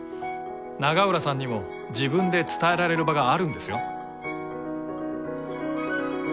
永浦さんにも自分で伝えられる場があるんですよ？